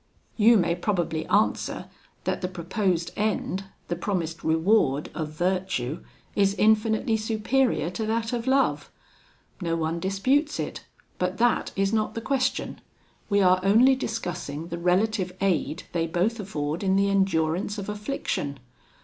"'You may probably answer, that the proposed end, the promised reward, of virtue, is infinitely superior to that of love? No one disputes it, but that is not the question we are only discussing the relative aid they both afford in the endurance of affliction.